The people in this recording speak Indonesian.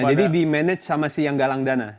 nah jadi di manage sama si yang galang dana